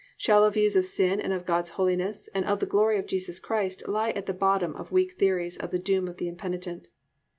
Shallow views of sin and of God's holiness and of the glory of Jesus Christ lie at the bottom of weak theories of the doom of the impenitent.